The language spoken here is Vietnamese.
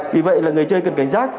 vì vậy là người chơi cần cảnh giác